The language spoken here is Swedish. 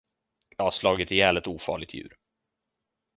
Jag har slagit ihjäl ett ofarligt djur.